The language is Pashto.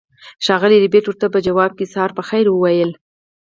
ښاغلي ربیټ ورته په ځواب کې سهار په خیر وویل